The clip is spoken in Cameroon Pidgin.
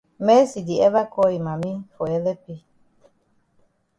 Mercy di ever call yi mami for helep yi.